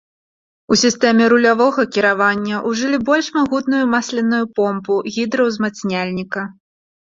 У сістэме рулявога кіравання ўжылі больш магутную масленую помпу гідраўзмацняльніка.